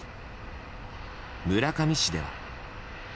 村上市では。